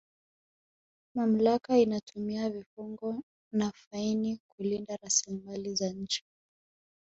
mamlaka inatumia vifungo na faini kulinda rasilimali za nchi